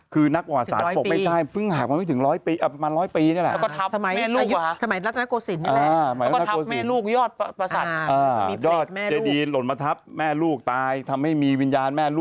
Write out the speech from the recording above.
คือเขาก็เลยบอกว่ามันเป็นการบิดเบือนประวัติศาสตร์